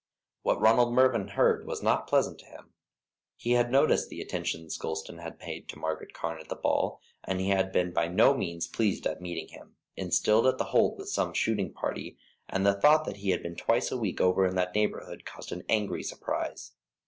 What Ronald Mervyn heard was not pleasant to him. He had noticed the attentions Gulston had paid to Margaret Carne at the ball, and had been by no means pleased at meeting him, installed at The Hold with the shooting party, and the thought that he had been twice a week over in that neighbourhood caused an angry surprise.